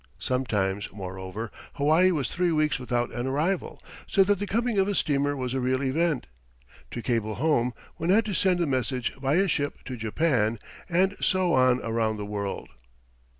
Sometimes, moreover, Hawaii was three weeks without an arrival, so that the coming of a steamer was a real event. To cable home, one had to send the message by a ship to Japan and so on around the world.